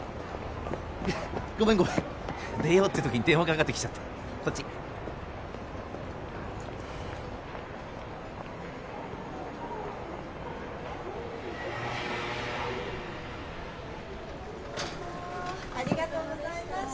ごめんごめん出ようって時に電話かかってきちゃってこっちありがとうございました